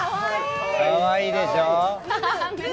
かわいいでしょう？